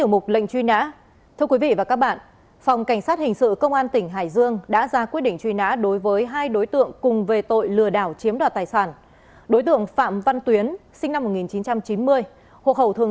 hẹn gặp lại các bạn trong những video tiếp theo